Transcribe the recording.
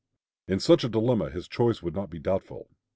In such a dilemma his choice could not be doubtful.